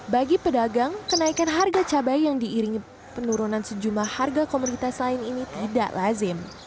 bagi pedagang kenaikan harga cabai yang diiringi penurunan sejumlah harga komoditas lain ini tidak lazim